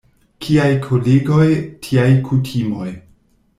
Kiaj kolegoj, tiaj kutimoj.